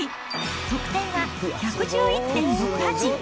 得点は１１１．６８。